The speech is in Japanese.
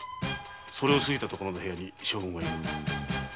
それを過ぎたところの部屋に将軍がいる。